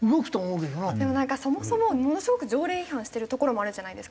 でもそもそもものすごく条例違反してるところもあるじゃないですか。